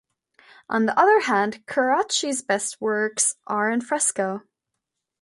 On the other hand, Carracci's best works are in fresco.